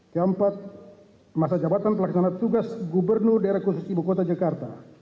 keempat masa jabatan pelaksana tugas gubernur daerah khusus ibu kota jakarta